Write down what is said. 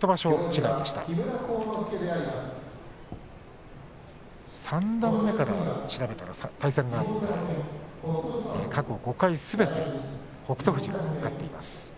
調べたら三段目から対戦があって過去５回すべて北勝富士が勝っています。